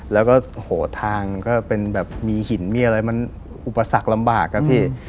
แล้วก็โหทางก็เป็นแบบมีหินมีอะไรมันอุปสรรคลำบากอะพี่